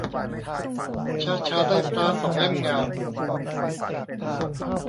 ช้าช้าได้พร้าสองเล่มงาม